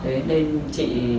thế nên chị